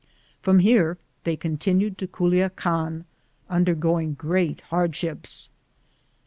From here they continued to Culiacan, undergoing great hardships.